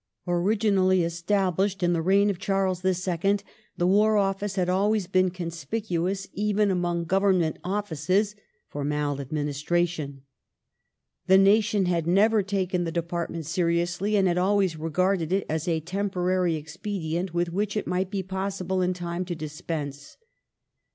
Originally established in the reign of Charles II. the War Office had always been conspicuous, even among Government Offices, for maladministration. The nation had never taken the department seriously and had always regarded it as a temporary expedient with which it might be possible in time to dispense.